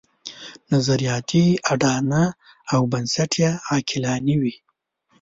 نظریاتي اډانه او بنسټ یې عقلاني وي.